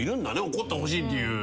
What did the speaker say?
怒ってほしいっていう。